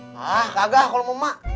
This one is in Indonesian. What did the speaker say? hah kagak kalau emak